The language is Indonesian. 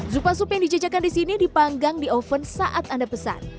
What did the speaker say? supa sup yang dijajakan di sini dipanggang di oven saat anda pesan